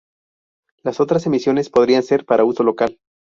Las otras emisiones podrían ser para uso local.